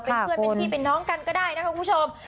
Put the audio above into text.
เป็นเพื่อนเป็นพี่เป็นน้องกันก็ได้นะคะคุณผู้ชม